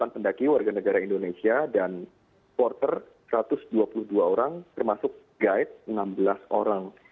delapan pendaki warga negara indonesia dan porter satu ratus dua puluh dua orang termasuk guide enam belas orang